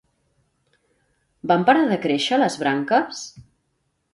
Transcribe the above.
Van parar de créixer, les branques?